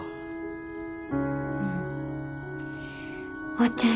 おっちゃん